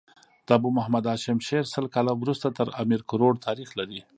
د ابو محمد هاشم شعر سل کاله وروسته تر امیر کروړ تاريخ لري.